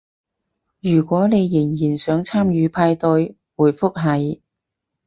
如果你仍然想參與派對，回覆係